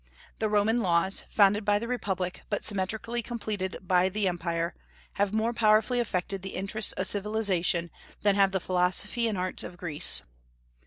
The Roman laws founded by the Republic, but symmetrically completed by the Empire have more powerfully affected the interests of civilization than have the philosophy and arts of Greece.